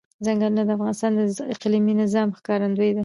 ځنګلونه د افغانستان د اقلیمي نظام ښکارندوی ده.